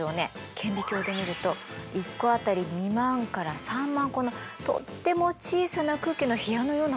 顕微鏡で見ると１個当たり２万から３万個のとっても小さな空気の部屋のようなものがあるのね。